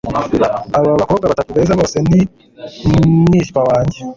Aba bakobwa batatu beza bose ni mwishywa wanjye.